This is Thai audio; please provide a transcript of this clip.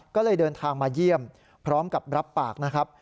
ก็เลยเดินทางมาเยี่ยมพร้อมกับรับปากนะครับ